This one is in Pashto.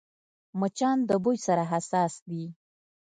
مچان د بوی سره حساس دي